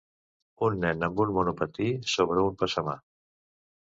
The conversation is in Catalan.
Un nen amb un monopatí sobre un passamà.